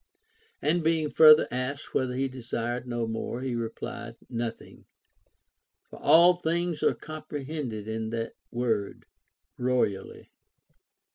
And being further asked whether he desired no more, he replied, Nothing ; for all things are comprehended in that word " royally."